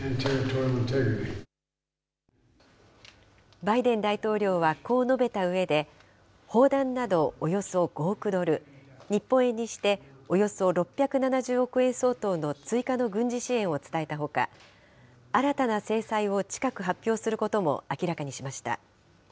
バイデン大統領はこう述べたうえで、砲弾などおよそ５億ドル、日本円にしておよそ６７０億円相当の追加の軍事支援を伝えたほか、新たな制裁を近く発表することも明らかにしました。